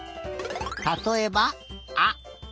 たとえば「あ」。